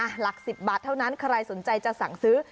หลัก๑๐บาทเท่านั้นใครสนใจจะสั่งซื้อ